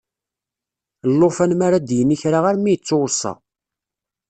Llufan mi ara d-yini kra armi ittuweṣṣa.